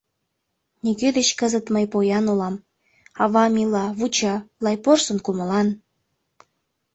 Нигӧ деч кызыт мый поян улам: Авам ила, вуча, лай порсын кумылан.